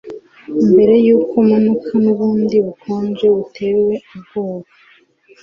mbere yuko manuka nubundi bukonje buteye ubwoba